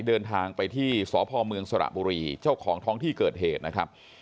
เดินทางไปที่สพเมืองสระบุรีเจ้าของท้องที่เกิดเหตุนะครับ